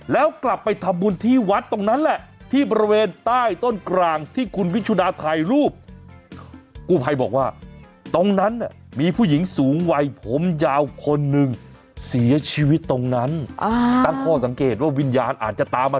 แต่อย่างนี้เธอไปโพสต์ในโซเชียลแล้วยังไงรู้ปะ